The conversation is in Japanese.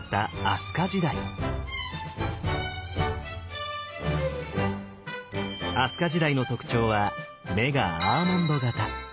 飛鳥時代の特徴は目がアーモンド形。